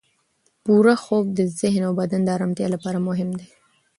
پوره خوب د ذهن او بدن د ارامتیا لپاره مهم دی.